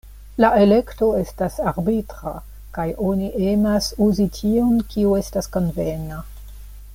La elekto estas arbitra, kaj oni emas uzi tion kiu estas konvena.